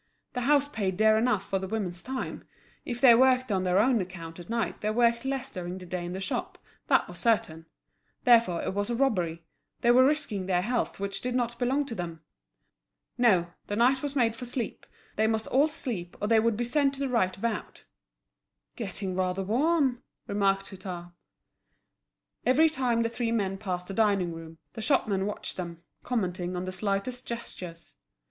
The house paid dear enough for the women's time; if they worked on their own account at night they worked less during the day in the shop, that was certain; therefore it was a robbery, they were risking their health which did not belong to them. No, the night was made for sleep; they must all sleep, or they would be sent to the right about! "Getting rather warm!" remarked Hutin. Every time the three men passed the dining room, the shopmen watched them, commenting on the slightest gestures.